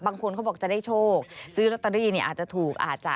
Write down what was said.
บางคนเขาบอกจะได้โชคซื้อลอตเตอรี่เนี่ยอาจจะถูกอาจจะ